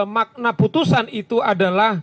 makna putusan itu adalah